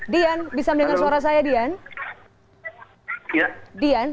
dian bisa mendengar suara saya dian